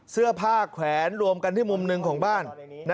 เสื้อผ้าแขวนรวมกันจนอยู่ที่ตรงนึงของบ้าน